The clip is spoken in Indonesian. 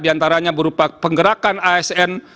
di antaranya berupa penggerakan asn